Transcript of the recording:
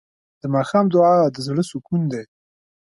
د ماښام دعا د زړه سکون دی.